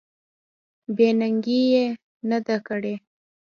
بې ننګي یې نه ده کړې.